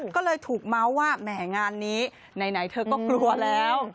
ก็เลยถูกเมาส์ว่าแหมงานนี้ไหนเธอก็กลัวแล้ว